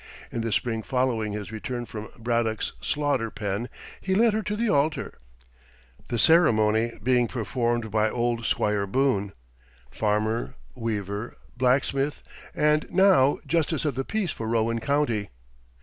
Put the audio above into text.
In the spring following his return from Braddock's slaughter pen he led her to the altar, the ceremony being performed by old Squire Boone farmer, weaver, blacksmith, and now justice of the peace for Rowan County.